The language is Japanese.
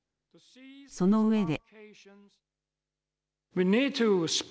そのうえで。